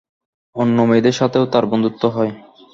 অন্য মেয়েদের সাথেও তার বন্ধুত্ব হয়।